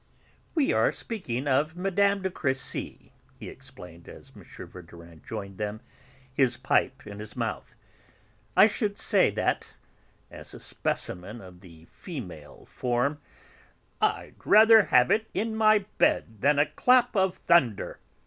We are speaking of Mme. de Crécy," he explained, as M. Verdurin joined them, his pipe in his mouth. "I should say that, as a specimen of the female form " "I'd rather have it in my bed than a clap of thunder!"